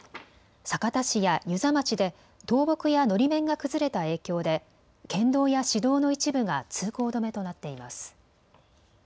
酒田市や遊佐町で倒木やのり面が崩れた影響で県道や市道の一部が通行止めとなっています。